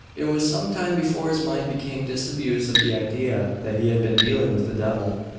It was some time before his mind became disabused of the idea that he had been dealing with the devil.